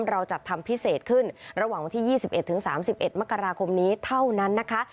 เราจัดทำพิเศษขึ้นระหว่างวันที่๒๑๓๑มกราคมนี้เท่านั้นนะคะ